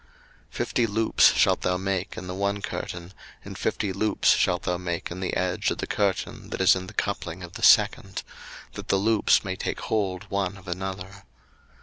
02:026:005 Fifty loops shalt thou make in the one curtain, and fifty loops shalt thou make in the edge of the curtain that is in the coupling of the second; that the loops may take hold one of another.